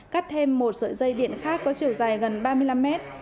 cắt thêm một sợi dây điện khác có chiều dài gần ba mươi năm mét